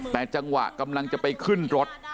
แต่จังหวะกำลังจะไปขึ้นรถ